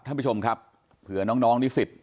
ท่านผู้ชมครับเผื่อน้องนิสิต